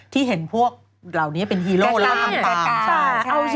ที่เห็นพวกเหล่านี้เป็นฮีโร่แล้วตามตา